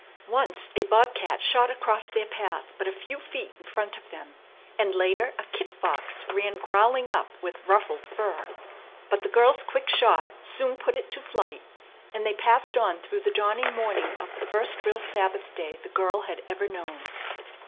Once a bob cat shot across their path but a few feet in front of them, and later a kit fox ran growling up with ruffled fur; but the girl's quick shot soon put it to flight, and they passed on through the dawning morning of the first real Sabbath day the girl had ever known.